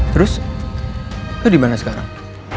terus lo dimana sekarang